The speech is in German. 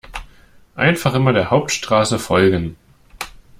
Einfach immer der Hauptstraße folgen.